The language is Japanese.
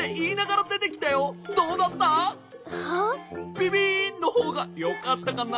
「びびん！」のほうがよかったかな？